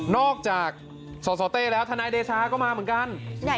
นอกจากสสเต้แล้วทนายเดชาก็มาเหมือนกัน